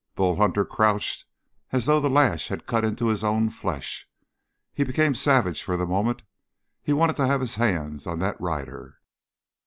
Bull Hunter crouched as though the lash had cut into his own flesh. He became savage for the moment. He wanted to have his hands on that rider!